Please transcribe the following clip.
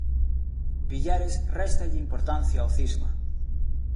Villares réstalle importancia ao cisma.